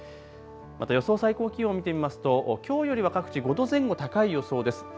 また予想最高気温、見てみますときょうよりは各地５度前後高い予想です。